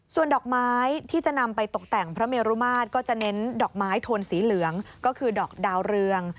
ส่วนดอกไม้ที่จะนำไปตกแต่งพระเมรุมาตรก็จะเน้นดอกไม้โทนสีเหลืองก็คือดอกดาวเรือง